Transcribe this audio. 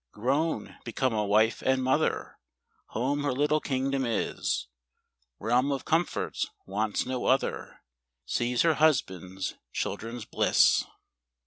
Grown, become a wife and mother, Home her little kingdom is ; Realm of comforts, wants no other, She's her husband's, children's bliss..